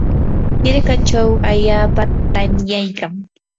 hirkachaw allaapa tamyaykan.